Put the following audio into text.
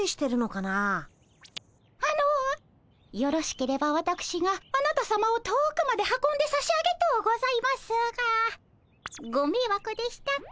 あのよろしければわたくしがあなたさまを遠くまで運んで差し上げとうございますがごめいわくでしたか。